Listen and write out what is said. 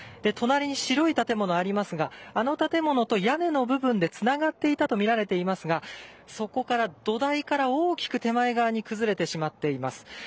隣に白い建物がありますがあの建物と屋根の部分でつながっていたとみられていますがそこから土台から大きく手前側に崩れてしまっています。